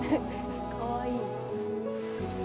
かわいい。